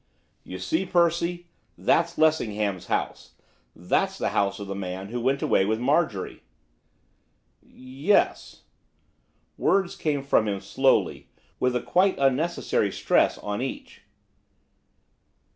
'You see, Percy, that's Lessingham's house! that's the house of the man who went away with Marjorie!' 'Yes.' Words came from him slowly, with a quite unnecessary stress on each.